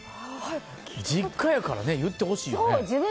実家やからね、言ってほしいね。